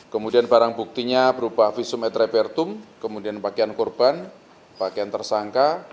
kemudian barang buktinya berupa visum et repertum kemudian pakaian korban pakaian tersangka